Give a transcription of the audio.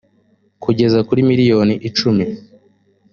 kugeza kuri miliyoni icumi